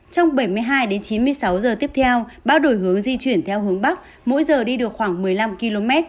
trong bảy mươi hai đến chín mươi sáu giờ tiếp theo bão đổi hướng di chuyển theo hướng bắc mỗi giờ đi được khoảng một mươi năm km